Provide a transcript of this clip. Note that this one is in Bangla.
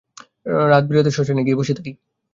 রাতবিরাতে শ্মশানে গিয়ে বসে থাকি।